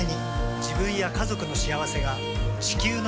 自分や家族の幸せが地球の幸せにつながっている。